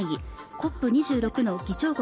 ＣＯＰ２６の議長国